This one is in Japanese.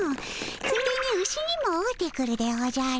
ついでにウシにも会うてくるでおじゃる。